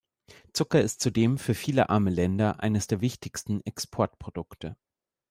Zucker ist zudem für viele arme Länder eines der wichtigsten Exportprodukte.